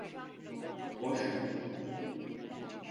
Hoş mu?